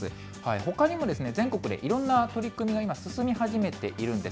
ほかにも全国でいろんな取り組みが今、進み始めているんです。